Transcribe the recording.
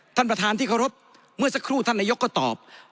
ท่านประธานที่เคารพเมื่อสักครู่ท่านนายกก็ตอบ